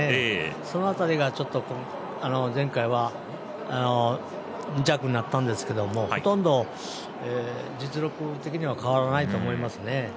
その辺りが、ちょっと前回は２着になったんですけどもほとんど実力的には変わらないと思いますね。